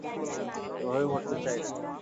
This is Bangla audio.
এভাবে মরতে চাই না!